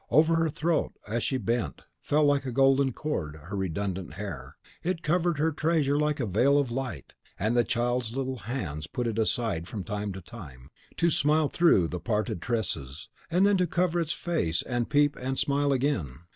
Over her throat, as she bent, fell, like a golden cloud, her redundant hair; it covered her treasure like a veil of light, and the child's little hands put it aside from time to time, to smile through the parted tresses, and then to cover its face and peep and smile again.